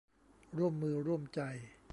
ร่วมมือร่วมใจ